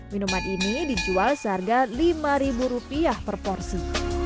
minuman ini dijual seharga lima rupiah per porsi